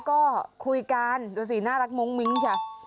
เขาก็คุยกันดูสิน่ารักมุ้งมิ้งเฉีย